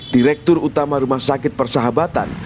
direktur utama rumah sakit persahabatan